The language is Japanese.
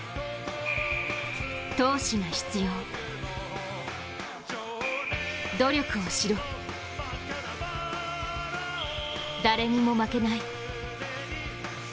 闘志が必要、努力をしろだれにも負けない。